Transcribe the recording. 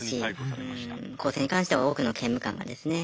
更生に関しては多くの刑務官がですね